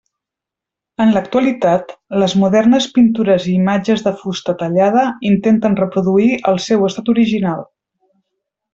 En l'actualitat, les modernes pintures i imatges de fusta tallada intenten reproduir el seu estat original.